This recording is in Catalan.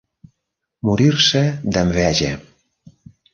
Morir-se d'enveja.